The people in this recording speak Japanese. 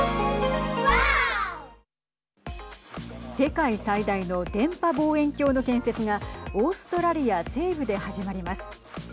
世界最大の電波望遠鏡の建設がオーストラリア西部で始まります。